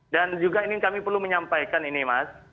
dan juga ini kami perlu menyampaikan ini mas